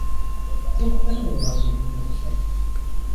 Com puc anar a Mont-ral dilluns a les set?